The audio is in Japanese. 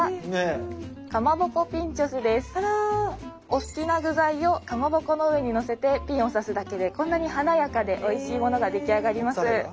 お好きな具材をかまぼこの上にのせてピンを刺すだけでこんなに華やかでおいしいものが出来上がります。